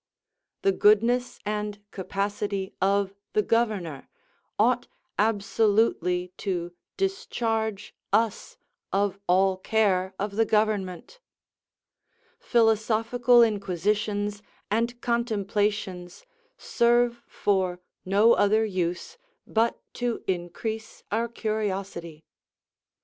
The goodness and capacity of the governor ought absolutely to discharge us of all care of the government: philosophical inquisitions and contemplations serve for no other use but to increase our curiosity.